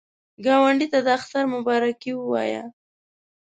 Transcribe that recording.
ګاونډي ته د اختر مبارکي ووایه